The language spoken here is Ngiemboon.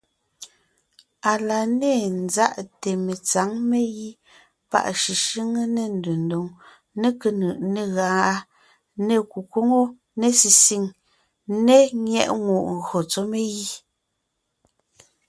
Á la ne ńzáʼte metsǎŋ megǐ páʼ shʉshʉ́ŋe, ne ndedóŋ, ne kénʉʼ, ne gáʼa, ne kukwóŋo, ne sisìŋ ne nyɛ́ʼŋùʼ ngÿo tsɔ́ megǐ.